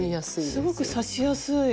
すごく刺しやすい。